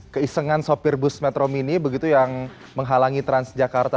keisengan sopir bus metro mini begitu yang menghalangi transjakarta